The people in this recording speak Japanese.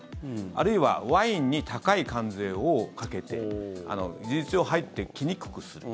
あるいはワインに高い関税をかけて事実上、入ってきにくくする。